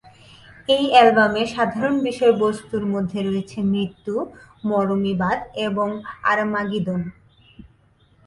এই অ্যালবামের সাধারণ বিষয়বস্তুর মধ্যে রয়েছে মৃত্যু, মরমীবাদ, এবং আরমাগিদোন।